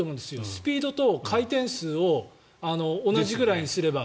スピードと回転数を同じぐらいにすれば。